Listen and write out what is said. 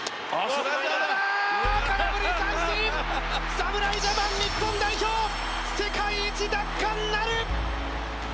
侍ジャパン、日本代表、世界一奪還なる！